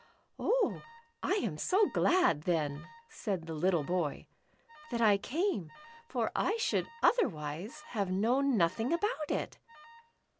"Oh, I am so glad then," said the little boy, "that I came, for I should otherwise have known nothing about it."